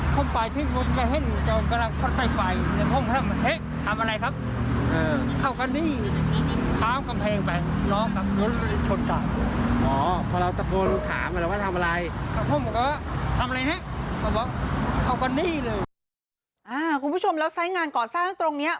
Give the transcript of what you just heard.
เขาก็นี่เลยอ่าคุณผู้ชมแล้วสายงานก่อสร้างตรงเนี้ย